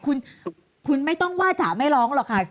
ก็คุณไม่ต้องว่าจะไม่ลองหรอกค่ะ